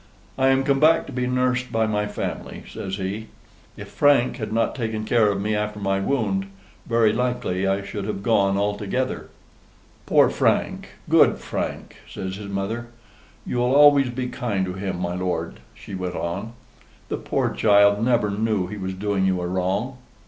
"I am come back to be nursed by my family," says he. "If Frank had not taken care of me after my wound, very likely I should have gone altogether." "Poor Frank, good Frank!" says his mother. "You'll always be kind to him, my lord," she went on. "The poor child never knew he was doing you a wrong."